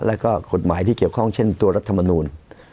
แล้วก็กฎหมายที่เกี่ยวข้องเช่นตัวรัฐมนูล